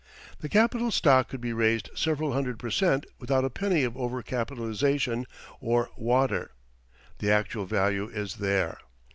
The capital stock could be raised several hundred per cent. without a penny of over capitalization or "water"; the actual value is there.